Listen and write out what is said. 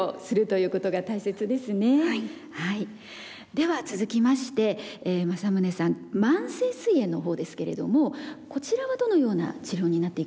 では続きまして正宗さん慢性すい炎のほうですけれどもこちらはどのような治療になっていくんですか？